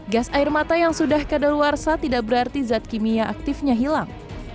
gas air mata yang sudah kadaluarsa tidak berarti zat kimia aktifnya hilang